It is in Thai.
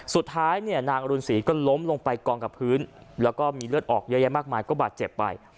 สุดท้ายเนี่ยนางอรุณศรีก็ล้มลงไปกองกับพื้นแล้วก็มีเลือดออกเยอะแยะมากมายก็บาดเจ็บไป